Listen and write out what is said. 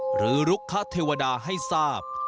หรือลุกคเทวดาให้ทราบ